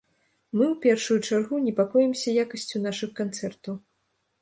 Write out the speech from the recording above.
Мы, ў першую чаргу, непакоімся якасцю нашых канцэртаў.